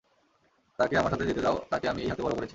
তাকে আমার সাথে যেতে দাও, তাকে আমি এই হাতে বড় করেছি।